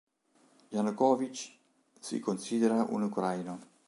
Janukovyč si considera un ucraino.